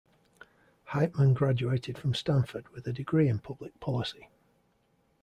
Heitmann graduated from Stanford with a degree in public policy.